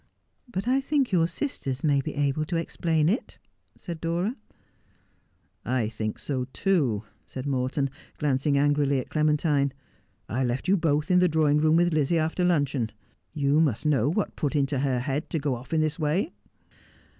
' But I think your sisters may be able to explain it,' said Dora. 'I think so too,' said Morton, glancing angrily at Clemen 'What is the Key to the Enigma?' 307 tine. 'I left you both in the drawing room with Lizzie after luncheon. You must know what put it into her head to go off in this way.'